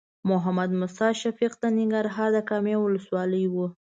محمد موسی شفیق د ننګرهار د کامې ولسوالۍ و.